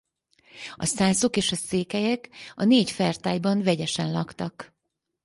A szászok és a székelyek a négy fertályban vegyesen laktak.